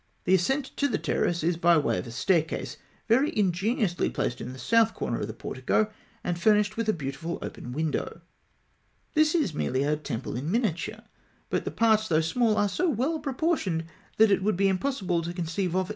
The ascent to the terrace is by way of a staircase, very ingeniously placed in the south corner of the portico, and furnished with a beautiful open window (F). This is merely a temple in miniature; but the parts, though small, are so well proportioned that it would be impossible to conceive anything more delicate or graceful.